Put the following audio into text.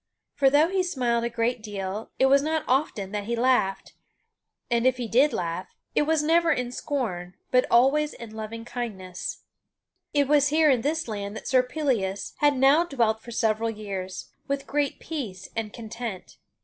For though he smiled a great deal, it was not often that he laughed; and if he did laugh, it was never in scorn, but always in loving kindness. It was here in this land that Sir Pellias had now dwelt for several years, with great peace and content.